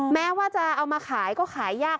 แม้ว่าจะเอามาขายก็ขายยาก